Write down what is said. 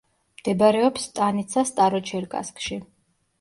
მდებარეობს სტანიცა სტაროჩერკასკში.